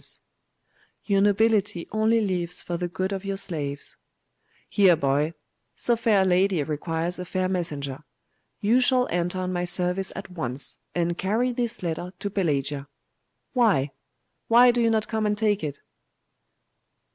'Your nobility only lives for the good of your slaves.' 'Here, boy! So fair a lady requires a fair messenger. You shall enter on my service at once, and carry this letter to Pelagia. Why? why do you not come and take it?